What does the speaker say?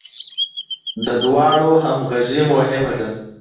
د دواړو همغږي مهمه ده.